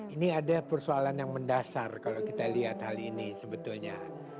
ini ada persoalan yang mendasar kalau kita lihat hal ini sebetulnya